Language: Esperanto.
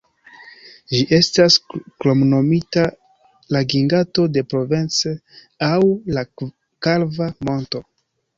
Ĝi estas kromnomita la Giganto de Provence aŭ la kalva monto.